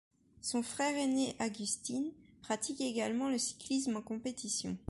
Son frère aîné Agustín pratique également le cyclisme en compétition.